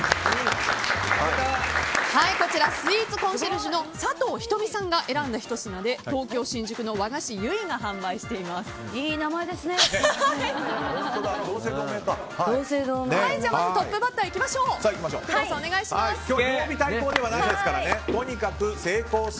こちらスイーツコンシェルジュの佐藤ひと美さんが選んだひと品で東京・新宿の和菓子結が販売しています。